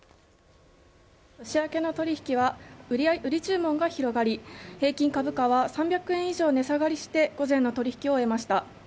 年明けの取引は売り注文が広がり平均株価は３００円以上値下がりして午前の取引を終えました。